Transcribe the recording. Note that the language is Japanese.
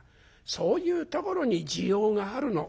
そういうところに滋養があるの。